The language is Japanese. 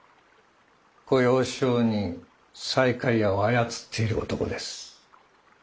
御用商人西海屋を操っている男です。